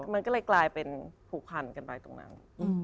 มันก็เลยกลายเป็นผูกพันกันไปตรงนั้น